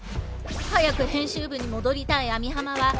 早く編集部に戻りたい網浜は。